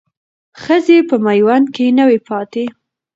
ښځې په میوند کې نه وې پاتې.